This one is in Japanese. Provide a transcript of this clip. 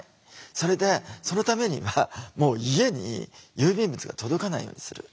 それでそのためには家に郵便物が届かないようにする。